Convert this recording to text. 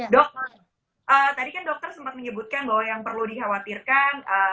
dok tadi kan dokter sempat menyebutkan bahwa yang perlu dikhawatirkan